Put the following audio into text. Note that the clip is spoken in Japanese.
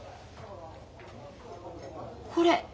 これ。